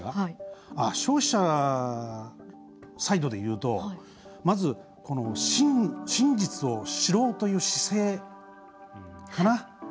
消費者サイドで言うと真実を知ろうという姿勢かな。